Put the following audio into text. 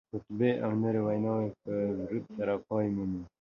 خطبې او نورې ویناوې په درود سره پای مومي